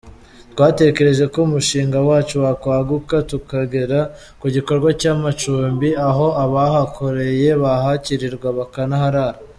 Twatekereje ko umushinga wacu wakwaguka tukagera ku gikorwa cy’amacumbi, aho abahakoreye bahakirirwa bakanaharara.